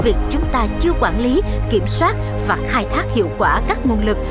việc chúng ta chưa quản lý kiểm soát và khai thác hiệu quả các nguồn lực